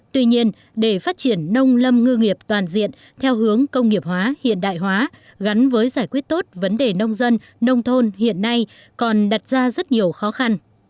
tuy nhiên để phát triển nông lâm ngư nghiệp toàn diện theo hướng công nghiệp hóa hiện đại hóa gắn với giải quyết tốt vấn đề nông dân nông thôn hiện nay còn đặt ra rất nhiều khó khăn